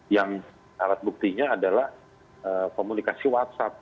yang alat buktinya adalah komunikasi whatsapp